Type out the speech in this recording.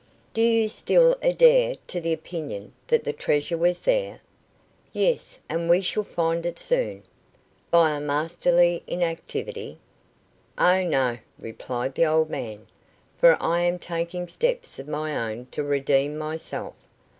"Do you still adhere to the opinion that the treasure was there?" "Yes; and we shall find it soon." "By a masterly inactivity?" "Oh, no," replied the old man, "for I am taking steps of my own to redeem myself.